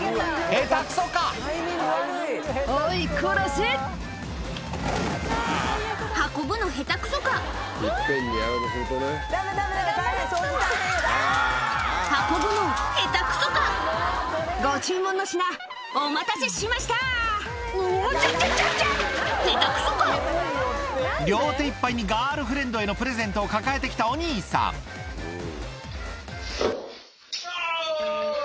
ヘタくそか⁉両手いっぱいにガールフレンドへのプレゼントを抱えて来たお兄さんあぁ！